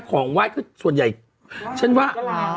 ของไหว้ก็ส่วนใหญ่ฉันว่า